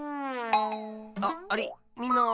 ああれみんな。